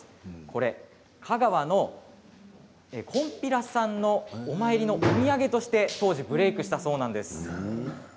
こちらは香川の金比羅山のお参りの土産として当時ブレークしたそうなんです。